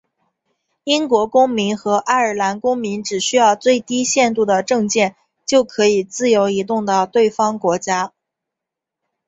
英国公民和爱尔兰公民只需要最低限度的证件就可以自由移动到对方国家。